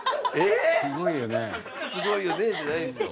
「すごいよねえ」じゃないんですよ。